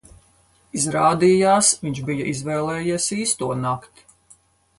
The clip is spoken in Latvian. Izrādījās, viņš bija izvēlējies īsto nakti.